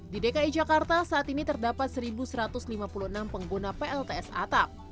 di dki jakarta saat ini terdapat satu satu ratus lima puluh enam pengguna plts atap